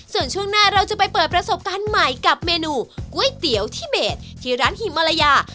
ส่วนช่วงหน้าเราจะไปเปิดประสบการณ์ใหม่กับเมนูก๋วยเตี๋ยวที่เบสที่ร้านหิมมารยา